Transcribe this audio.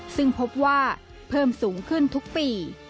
ซึ่งพบว่าเพิ่มสูงขึ้นทุกปี